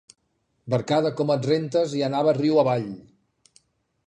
Barcada com et rentes i anava riu avall!